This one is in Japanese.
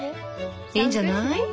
いいんじゃない？